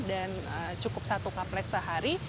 dan cukup satu kaplek sehari